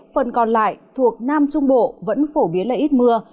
phần còn lại thuộc nam trung bộ vẫn phổ biến là ít mưa